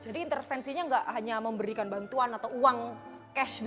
jadi intervensinya tidak hanya memberikan bantuan atau uang cash